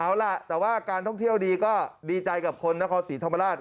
เอาล่ะแต่ว่าการท่องเที่ยวดีก็ดีใจกับคนนครศรีธรรมราช